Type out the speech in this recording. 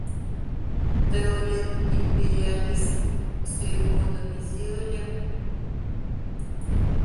Тый ойлет: империалист сӧй годым изи ыльым.